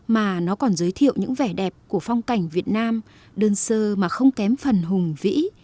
mà nó còn giới thiệu những vẻ đẹp của phong cảnh việt nam đơn sơ mà không kém phần hùng vĩ